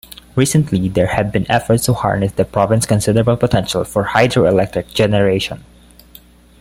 Recently, there have been efforts to harness the province's considerable potential for hydroelectric generation.